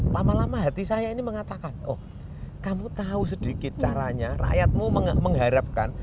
lama lama hati saya ini mengatakan oh kamu tahu sedikit caranya rakyatmu mengharapkan